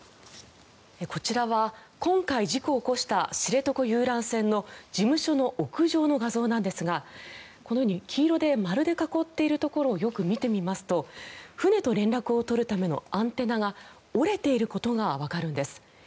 こちらは今回、事故を起こした知床遊覧船の事務所の屋上の画像なんですがこのように黄色で丸で囲っているところをよく見てみますと船と連絡を取るためのアンテナが折れていることがわかるんです。